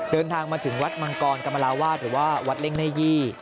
เดินทางมาถึงวัดมังกรกรรมราวาสหรือว่าวัดเล่งแม่ยี่